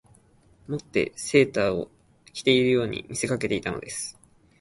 以てセーターを着ているように見せかけていたのです